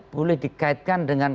boleh dikaitkan dengan